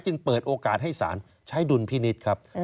จึงเปิดโอกาสให้สารใช้ดุลพินิษฐ์ครับ